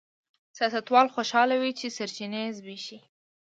سیاستوال خوشاله وي چې سرچینې زبېښي.